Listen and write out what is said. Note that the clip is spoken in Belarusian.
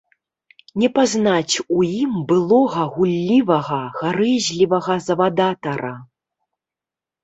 Не пазнаць у ім былога гуллівага, гарэзлівага завадатара.